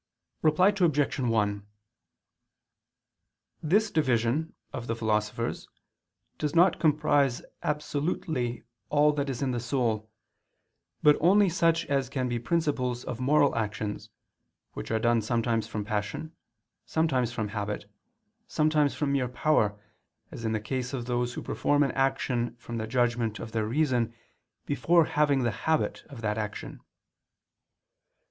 Reply Obj. 1: This division of the Philosopher's does not comprise absolutely all that is in the soul, but only such as can be principles of moral actions, which are done sometimes from passion, sometimes from habit, sometimes from mere power, as in the case of those who perform an action from the judgment of their reason before having the habit of that action.